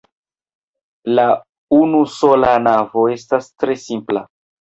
La unusola navo estas tre simpla.